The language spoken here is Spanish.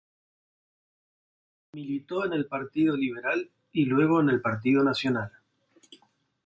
Militó en el Partido Liberal y luego en el Partido Nacional.